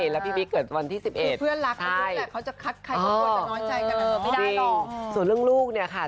แล้วพี่บี๊เกิดวันที่๑๑ใช่อ๋อจริงส่วนเรื่องลูกเนี่ยค่ะ